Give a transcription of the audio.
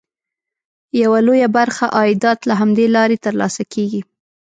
یوه لویه برخه عایدات له همدې لارې ترلاسه کېږي.